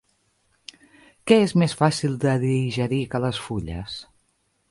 Què és més fàcil de digerir que les fulles?